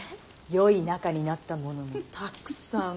よい仲になった者もたくさん。